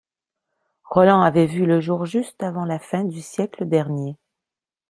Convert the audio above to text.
Roland avait vu le jour juste avant la fin du siècle dernier.